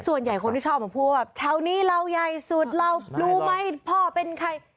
ส่วนใหญ่คนที่ชอบมาพูดว่าแถวนี้เราใหญ่สุดเรารู้ไหมพ่อเป็นใคร